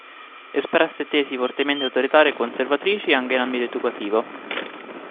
Espresse tesi fortemente autoritarie e conservatrici, anche in ambito educativo.